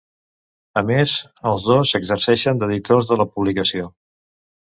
A més, els dos exerceixen d'editors de la publicació.